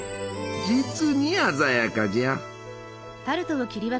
実に鮮やかじゃ。